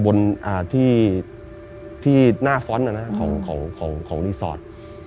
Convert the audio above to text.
เป็นที่หน้าฟ้นจากรีสอร์ต